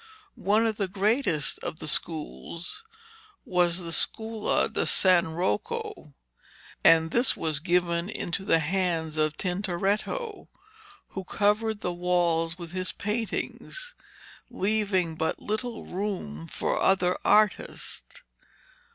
One of the greatest of the schools was the 'Scuola de San Rocco,' and this was given into the hands of Tintoretto, who covered the walls with his paintings, leaving but little room for other artists.